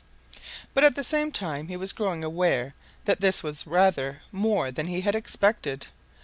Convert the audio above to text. But at the same time he was growing aware that this was rather more than he had expected.